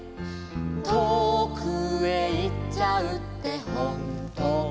「とおくへ行っちゃうってほんとかな」